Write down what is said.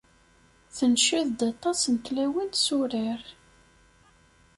Tenced-d aṭas n tlawin s urar.